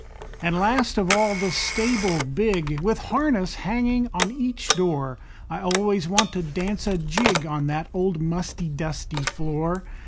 An' last of all the stable big, With harness hanging on each door, I always want to dance a jig On that old musty, dusty floor.